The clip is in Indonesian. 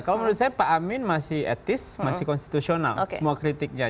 kalau menurut saya pak amin masih etis masih konstitusional semua kritiknya